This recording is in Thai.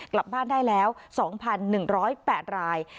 กลับบ้านได้แล้ว๒๑๐๘ราย